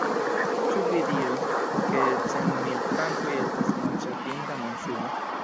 Ĉu vi diros, ke centmil frankoj estas malŝatinda monsumo?